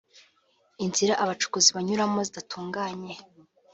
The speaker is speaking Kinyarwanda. inzira abacukuzi banyuramo zidatunganye